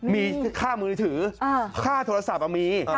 มีค่ามือถือค่าโทรศัพท์มี